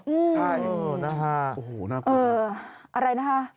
ใช่โอ้โฮน่ากลัวนะฮะเอออะไรนะฮะ